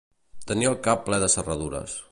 Tenir el cap ple de serradures.